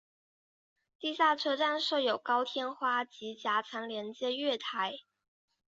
地下车站设有高天花及夹层连接月台。